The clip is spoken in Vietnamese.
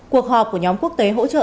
cuộc họp của nhóm quốc tế hỗ trợ sản phẩm